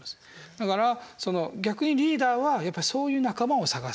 だから逆にリーダーはやっぱりそういう仲間を探す。